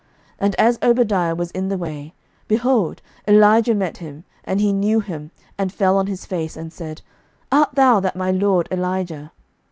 11:018:007 And as Obadiah was in the way, behold, Elijah met him: and he knew him, and fell on his face, and said, Art thou that my lord Elijah?